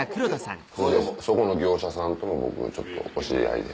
そこの業者さんとも僕ちょっとお知り合いで。